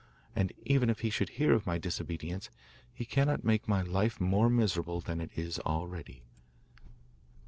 and even if he should hear of my disobedience, he cannot make my life more miserable than it is already.